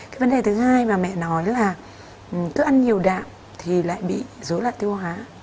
cái vấn đề thứ hai mà mẹ nói là thức ăn nhiều đạm thì lại bị dối loạn tiêu hóa